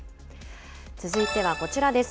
続いてはこちらです。